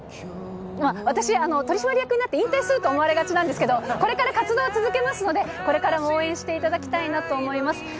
私、取締役になって引退すると思われがちなんですけど、これから活動続けますので、これからも応援していただきたいなと思います。